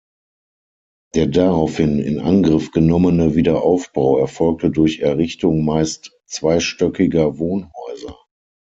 Der daraufhin in Angriff genommene Wiederaufbau erfolgte durch Errichtung meist zweistöckiger Wohnhäuser.